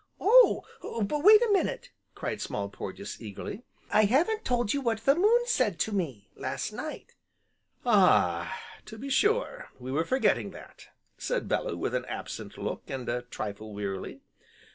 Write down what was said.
"Oh! but wait a minute!" cried Small Porges eagerly, "I haven't told you what the Moon said to me, last night " "Ah! to be sure, we were forgetting that!" said Bellew with an absent look, and a trifle wearily.